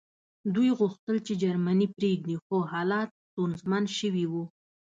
دوی غوښتل چې جرمني پرېږدي خو حالات ستونزمن شوي وو